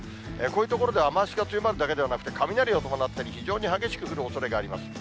こういう所で雨足が強まるだけでなくて、雷を伴ったり、非常に激しく降るおそれがあります。